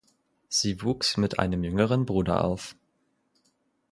Sie wuchs mit einem jüngeren Bruder auf.